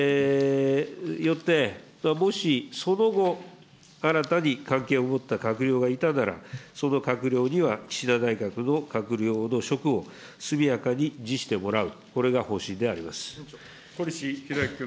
よって、もしその後、新たに関係を持った閣僚がいたなら、その閣僚には岸田内閣の閣僚の職を速やかに辞してもらう、これが小西洋之君。